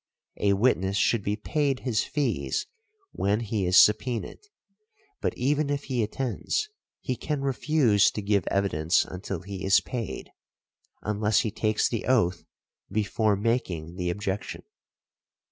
A witness should be paid his fees when he is subpœnaed; but even if he attends he can refuse to give evidence until he is paid, unless he takes the oath before making the objection .